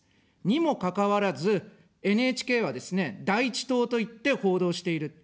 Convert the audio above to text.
にもかかわらず、ＮＨＫはですね、第一党と言って報道している。